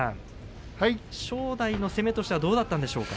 正代の攻めとしてはどうだったんでしょうか。